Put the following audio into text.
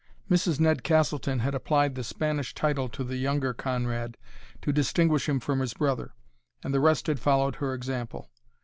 Mrs. Ned Castleton had applied the Spanish title to the younger Conrad to distinguish him from his brother, and the rest had followed her example.